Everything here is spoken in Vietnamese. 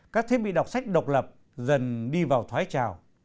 các thiết bị đọc sách độc lập dần đi vào thoái trào